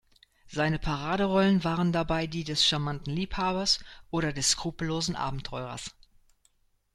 Seine Paraderollen waren dabei die des charmanten Liebhabers oder des skrupellosen Abenteurers.